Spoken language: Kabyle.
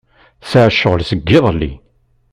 Tesɛa ccɣel seg iḍelli.